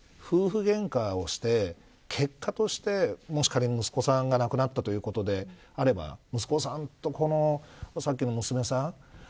げんかをして結果として、もし仮に息子さんが亡くなったということであれば息子さんと、さっきの娘さん